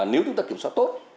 nếu chúng ta kiểm soát tốt